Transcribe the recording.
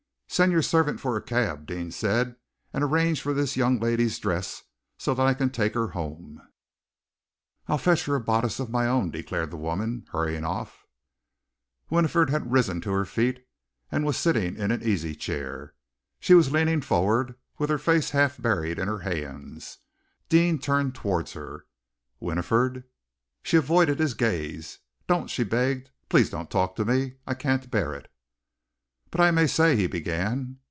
"Send your servant for a cab," Deane said, "and arrange this young lady's dress so that I can take her home." "I will fetch her a bodice of my own," declared the woman, hurrying off. Winifred had risen to her feet, and was sitting in an easy chair. She was leaning forward, with her face half buried in her hands. Deane turned towards her. "Winifred " She avoided his gaze. "Don't!" she begged. "Please don't talk to me. I can't bear it." "But I may say " he began.